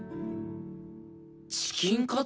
チキンカツ！？